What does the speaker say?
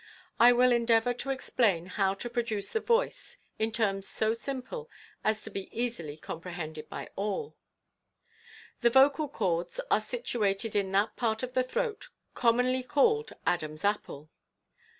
I will endeavor to explain how to produce the voice in terms so simple as to be easily compre hended by all : The vocal chords are situated in that part of the throat commonly called "Adam's apple."